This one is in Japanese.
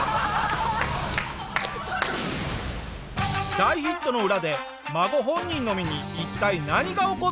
大ヒットの裏で孫本人の身に一体何が起こっていたのか？